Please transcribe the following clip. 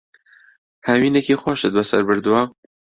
هاوینێکی خۆشت بەسەر بردووە؟